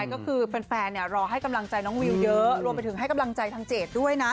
ก็คือแฟนรอให้กำลังใจน้องวิวเยอะรวมไปถึงให้กำลังใจทางเจดด้วยนะ